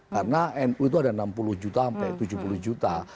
karena itu ada enam puluh juta sampai tujuh puluh juta